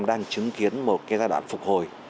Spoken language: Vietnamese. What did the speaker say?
đang chứng kiến một giai đoạn phục hồi